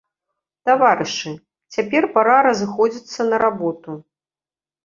Таварышы, цяпер пара разыходзіцца на работу.